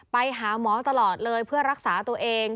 ไปหาหมอตลอดเลยเพื่อรักษาตัวเอง